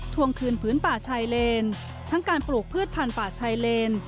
ทวงคืนพื้นป่าชายเลนทั้งการปลูกพืชพันธุ์ป่าชายเลน